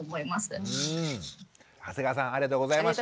長谷川さんありがとうございました。